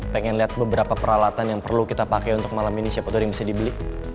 pengen lihat beberapa peralatan yang perlu kita pakai untuk malam ini siapa tuh yang bisa dibeli